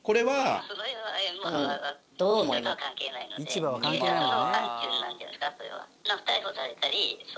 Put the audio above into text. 市場は関係ないもんね。